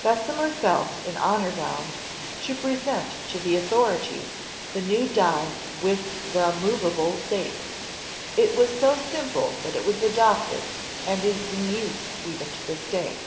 Bessemer felt in honor boimd to present to the author ities the new die with the movable dates. It was so simple that it was adopted and is in use even to this day.